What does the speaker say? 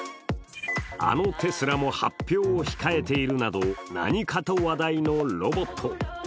あのテスラも発表を控えているなど何かと話題のロボット。